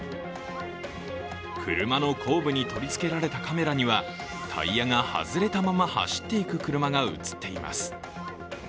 車の後部に取りつけられたカメラには、タイヤが外れたまま走っていく車が映っています。